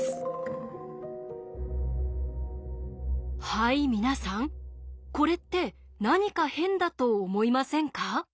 はい皆さんこれって何か変だと思いませんか？